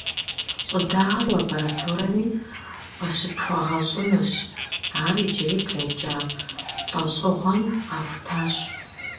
Щӏыдагъэр лабораторэми къыщыпхуэгъэщӏынущ, ар иджыри блэкӏа лӏэщӏыгъуэм къахутащ.